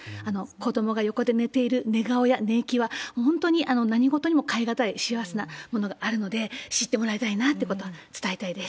子どもが横で寝ている寝顔や寝息は、本当に何事にも代えがたい幸せなものがあるので、知ってもらいたいなということを伝えたいです。